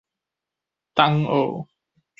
東澳